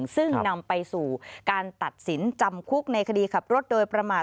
ซึ่งนำไปสู่การตัดสินจำคุกในคดีขับรถโดยประมาท